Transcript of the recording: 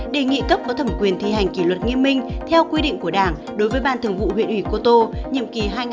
đề nghị cấp bởi thẩm quyền thi hành kỷ luật nghiêm minh theo quy định của đảng đối với ban thường vụ huyện ủy cô tô nhiệm kỳ hai nghìn hai mươi hai nghìn hai mươi năm